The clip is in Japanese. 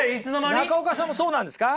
中岡さんもそうなんですか？